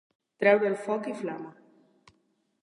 Treure floc i flama.